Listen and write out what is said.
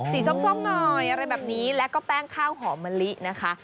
ส้มหน่อยอะไรแบบนี้แล้วก็แป้งข้าวหอมมะลินะคะ